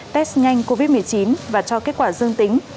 test nhanh covid một mươi chín và cho kết quả dương tính